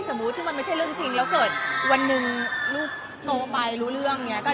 สมมุติที่มันไม่ใช่เรื่องจริงแล้วเกิดวันหนึ่งลูกโตไปรู้เรื่องอย่างนี้